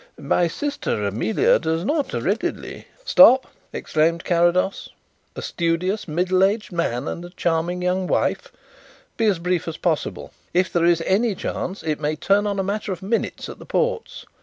My sister Amelia does not readily " "Stop!" exclaimed Carrados. "A studious middle aged man and a charming young wife! Be as brief as possible. If there is any chance it may turn on a matter of minutes at the ports.